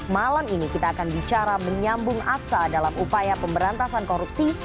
malam ini kita akan bicara menyambung asa dalam upaya pemberantasan korupsi